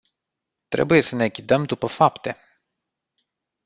Trebuie să ne ghidăm după fapte.